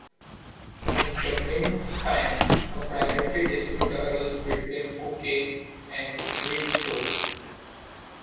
In the meantime a priority dispute arose between Cooke and Wheatstone.